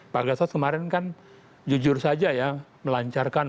pak gatot kemarin kan jujur saja ya melancarkan